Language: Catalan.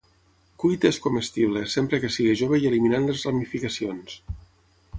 Cuit, és comestible, sempre que sigui jove i eliminant les ramificacions.